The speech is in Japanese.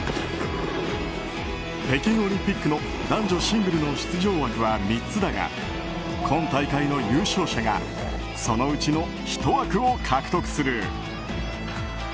北京オリンピックの男女シングルの出場枠は３つだが今大会の優勝者がそのうちの１枠を獲得する。